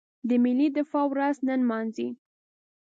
د ملي دفاع ورځ نمانځي.